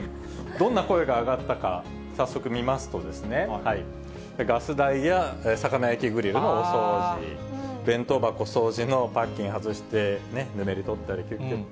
どんな声が上がったか、早速見ますとですね、ガス台や、魚焼きグリルのお掃除、弁当箱掃除のパッキン外して、ぬめり取ったり、きゅっきゅっ。